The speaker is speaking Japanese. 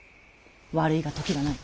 悪いが時がない！